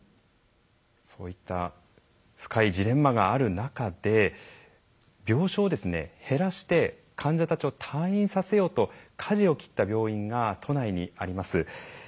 そういった深いジレンマがある中で病床を減らして患者たちを退院させようとかじを切った病院が都内にあります。